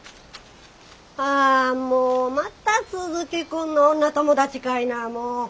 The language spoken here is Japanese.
あもうまた鈴木君の女友達かいなもう。